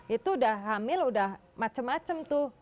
itu udah hamil udah macem macem tuh